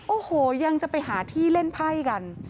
โอ้โหยังจะไปหาที่เล่นไพ่กัน